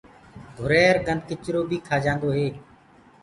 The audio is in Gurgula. گھُرير گندکِچرو بي کآجآندو هي۔